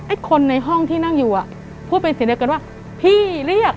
คนในห้องที่นั่งอยู่อ่ะพูดเป็นเสียงเดียวกันว่าพี่เรียก